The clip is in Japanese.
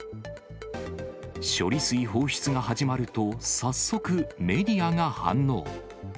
処理水放出が始まると、早速メディアが反応。